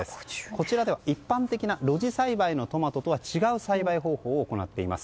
こちらでは一般的な路地栽培のトマトとは違う栽培方法を行っています。